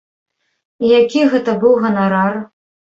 І які гэта быў ганарар?